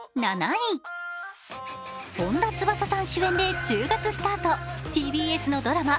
本田翼さん主演で１０月スタート、ＴＢＳのドラマ